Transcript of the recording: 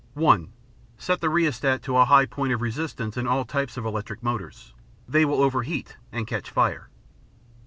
(1) Set the rheostat to a high point of resistance in all types of electric motors. They will overheat and catch fire.